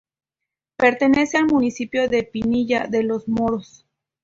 Pertenece al municipio de Pinilla de los Moros.